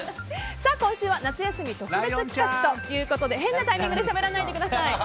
今週は夏休み特別企画ということで変なタイミングでしゃべらないでください！